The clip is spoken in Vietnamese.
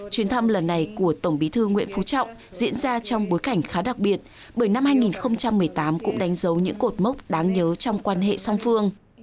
chuyến thăm lần này của tổng bí thư nguyễn phú trọng diễn ra trong bối cảnh khá đặc biệt bởi năm hai nghìn một mươi tám cũng đánh dấu những cột mốc đáng nhớ trong quan hệ song phương